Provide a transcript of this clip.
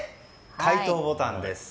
解答ボタンです。